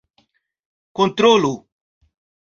kontrolu